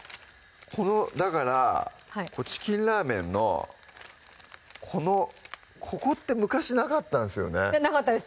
このだから「チキンラーメン」のこのここって昔なかったんですよねなかったです